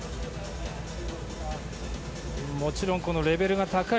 もちろんレベルが高い